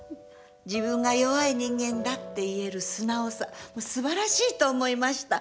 自分が弱い人間だって言える素直さ、すばらしいと思いました。